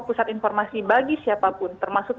pusat informasi bagi siapapun termasuk